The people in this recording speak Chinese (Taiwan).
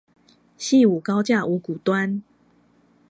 汐五高架五股端